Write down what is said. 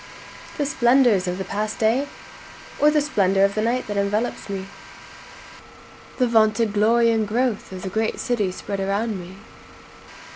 The splendors of the past day? Or the splendor of the night that envelopes me? Or the vaunted glory and growth of the great city spread around me?